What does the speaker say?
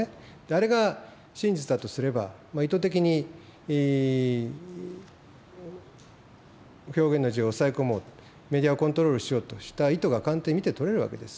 あれが真実だとすれば、意図的に表現の自由を抑え込もうと、メディアをコントロールしようとした意図が官邸に見て取れるわけです。